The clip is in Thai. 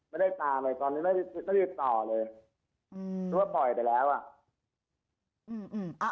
ไม่ได้ตามเลยตอนนี้ไม่ได้ติดต่อเลยคือว่าปล่อยได้แล้ว